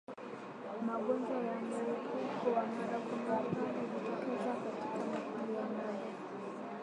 Magonjwa ya mlipuko wa mara kwa mara hujitokeza katika makundi ya ngombe